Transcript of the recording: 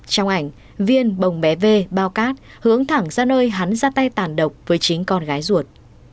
trong ảnh viên bồng bé v bao cát hướng thẳng ra nơi hắn ra tay tàn độc với chính con gái ruột